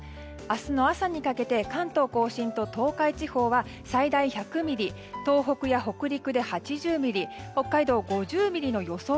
明日の朝にかけて関東・甲信と東海地方は最大１００ミリ東北や北陸で８０ミリ北海道５０ミリの予想